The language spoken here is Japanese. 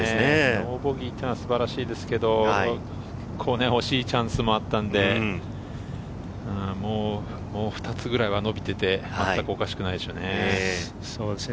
ノーボギーは素晴らしいですが、惜しいチャンスもあったので、もう２つぐらいは伸びていておかしくないでしょうね。